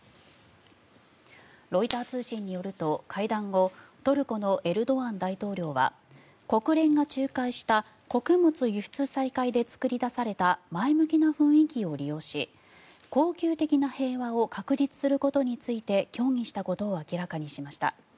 ロイター通信によると会談後トルコのエルドアン大統領は国連が仲介した穀物輸出再開で作り出された前向きな雰囲気を利用し恒久的な平和を確立することについて協議したことを明らかにしました。